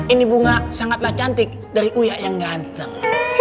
ini bunga sangatlah cantik dari uyak yang ganteng